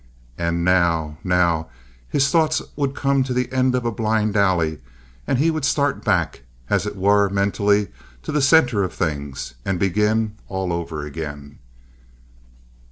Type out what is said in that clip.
And now, now—his thoughts would come to the end of a blind alley, and then he would start back, as it were, mentally, to the center of things, and begin all over again.